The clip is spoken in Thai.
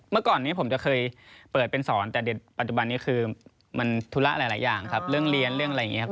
เมื่อก่อนนี้ผมจะเคยเปิดเป็นสอนแต่เด็กปัจจุบันนี้คือมันธุระหลายอย่างครับเรื่องเรียนเรื่องอะไรอย่างนี้ครับ